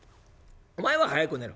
お前は早く寝ろ。